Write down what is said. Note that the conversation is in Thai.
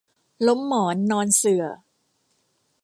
ล้มหมอนนอนเสื่อ